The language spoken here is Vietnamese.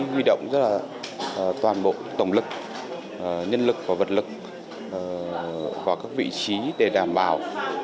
huy động rất là toàn bộ tổng lực nhân lực và vật lực vào các vị trí để đảm bảo